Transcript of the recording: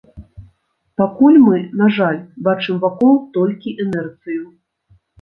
Пакуль мы, на жаль, бачым вакол толькі інерцыю.